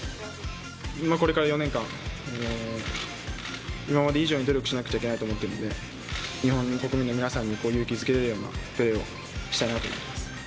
これから４年間、今まで以上に努力しなくちゃいけないと思っているので、日本の国民の皆さんに、勇気づけれるようなプレーをしたいなと思います。